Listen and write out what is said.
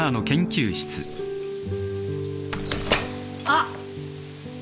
あっ！